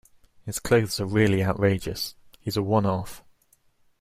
His clothes are really outrageous. He's a one-off